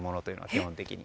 基本的に。